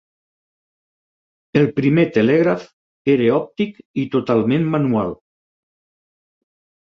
El primer telègraf era òptic i totalment manual.